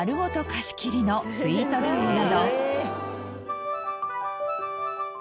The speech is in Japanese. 貸し切りのスイートルームなど。